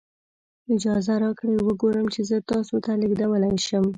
اجازه راکړئ وګورم چې زه تاسو ته لیږدولی شم.